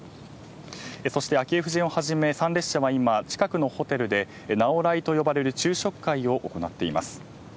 昭恵夫人をはじめ、参列者は今近くのホテルでなおらいと呼ばれる昼食会を行っています。